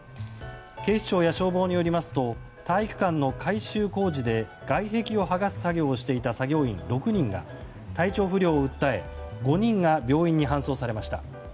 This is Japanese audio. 警視庁や消防によりますと体育館の改修工事で外壁を剥がす作業をしていた作業員６人が体調不良を訴え５人が病院に搬送されました。